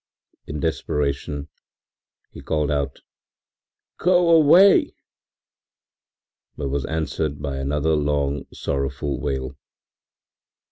In desperation he called out: “Go away!” but was answered by another long, sorrowful wail.